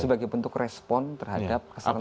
sebagai bentuk respon terhadap keserentakan itu